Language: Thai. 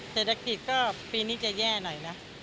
แต่แรกศิษย์ก็ปีนี้จะแย่หน่อยนะ